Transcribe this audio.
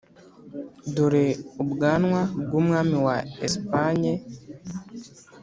dore ubwanwa bwumwami wa espagne,